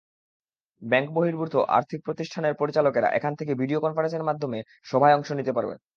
ব্যাংকবহির্ভূত আর্থিক প্রতিষ্ঠানের পরিচালকেরা এখন থেকে ভিডিও কনফারেন্সের মাধ্যমে সভায় অংশ নিতে পারবেন।